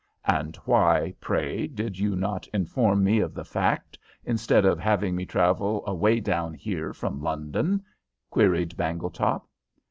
"And why, pray, did you not inform me of the fact, instead of having me travel away down here from London?" queried Bangletop.